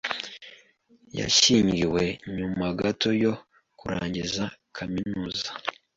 Yashyingiwe nyuma gato yo kurangiza kaminuza.